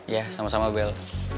ya sama sama bel